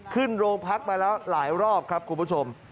ขึ้นโรงพักมาแล้วหลายรอบครับคุณผู้ชม